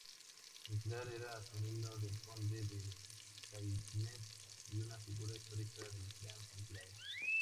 Sinclair era sobrino del Conde de Caithness y una figura histórica del Clan Sinclair.